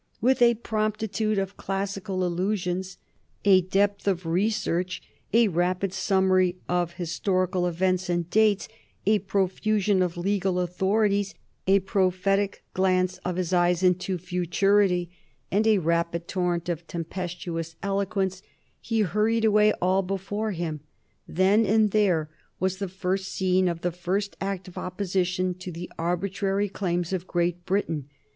"With a promptitude of classical allusions, a depth of research, a rapid summary of historical events and dates, a profusion of legal authorities, a prophetic glance of his eyes into futurity, and a rapid torrent of tempestuous eloquence, he hurried away all before him. Then and there was the first scene of the first act of opposition to the arbitrary claims of Great Britain.